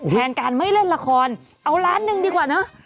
แทนการไม่เล่นละครเอาล้านหนึ่งดีกว่าเนอะ